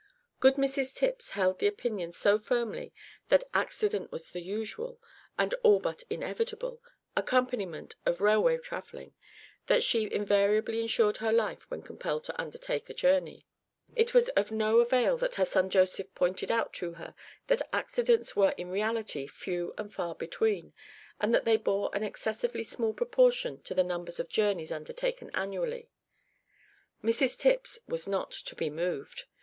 Good Mrs Tipps held the opinion so firmly that accident was the usual, and all but inevitable, accompaniment of railway travelling, that she invariably insured her life when compelled to undertake a journey. It was of no avail that her son Joseph pointed out to her that accidents were in reality few and far between, and that they bore an excessively small proportion to the numbers of journeys undertaken annually; Mrs Tipps was not to be moved.